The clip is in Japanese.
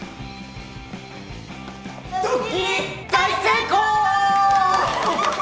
ドッキリ大成功！